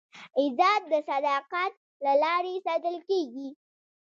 عزت د صداقت له لارې ساتل کېږي.